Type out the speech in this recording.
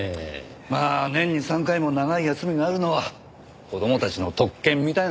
まあ年に３回も長い休みがあるのは子供たちの特権みたいなものですもんね。